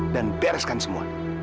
dan bereskan semua